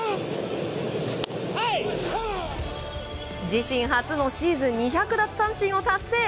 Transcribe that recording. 自身初のシーズン２００奪三振を達成。